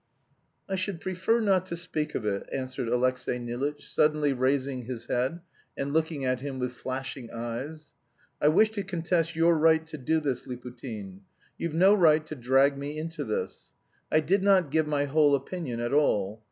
"I should prefer not to speak of it," answered Alexey Nilitch, suddenly raising his head, and looking at him with flashing eyes. "I wish to contest your right to do this, Liputin. You've no right to drag me into this. I did not give my whole opinion at all.